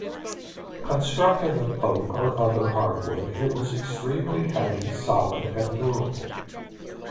Constructed of oak or other hardwood, it was extremely heavy, solid, and durable.